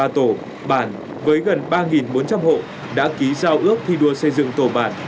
ba tổ bản với gần ba bốn trăm linh hộ đã ký giao ước thi đua xây dựng tổ bản